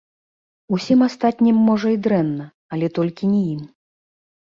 Усім астатнім, можа, і дрэнна, але толькі не ім.